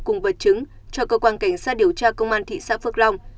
cùng vật chứng cho cơ quan cảnh sát điều tra công an thị xã phước long